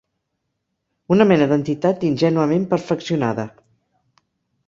Una mena d'entitat ingènuament perfeccionada.